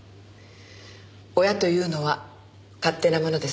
親というのは勝手なものです。